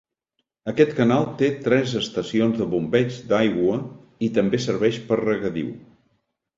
Aquest canal té tres estacions de bombeig d'aigua i també serveix per regadiu.